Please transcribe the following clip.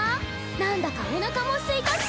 なんだかおなかもすいたし。